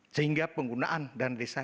sehingga penggunaan dana desa